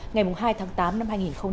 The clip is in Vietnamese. ngày hai tháng tám năm hai nghìn hai mươi